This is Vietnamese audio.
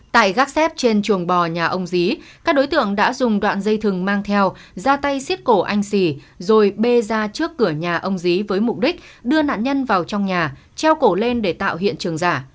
tại gác xếp trên chuồng bò nhà ông dí các đối tượng đã dùng đoạn dây thừng mang theo ra tay xiết cổ anh xì rồi bê ra trước cửa nhà ông dí với mục đích đưa nạn nhân vào trong nhà treo cổ lên để tạo hiện trường giả